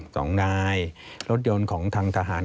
สองนายรถยนต์ของทางทหาร